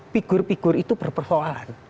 figur figur itu berperhoalan